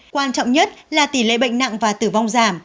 quan trọng nhất là tỷ lệ bệnh nặng và tử vong giảm